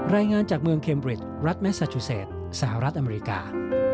รายงานจากเมืองเคมบริดรัฐเมซาจุเศษสหรัฐอเมริกา